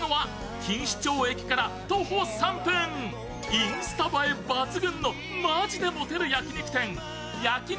インスタ映え抜群のマヂでモテる焼肉店、焼肉